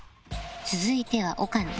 続いては岡野